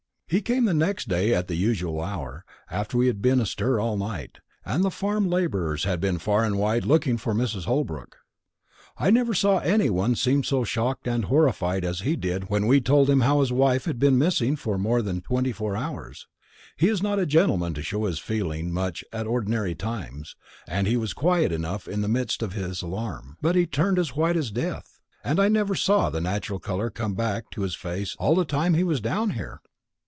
"He came next day at the usual hour, after we had been astir all night, and the farm labourers had been far and wide looking for Mrs. Holbrook. I never saw any one seem so shocked and horrified as he did when we told him how his wife had been missing for more than four and twenty hours. He is not a gentleman to show his feelings much at ordinary times, and he was quiet enough in the midst of his alarm; but he turned as white as death, and I never saw the natural colour come back to his face all the time he was down here."